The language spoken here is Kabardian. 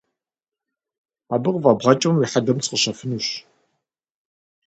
Абы къыфӏэбгъэкӏмэ уи хьэдэм сыкъыщыфэнущ!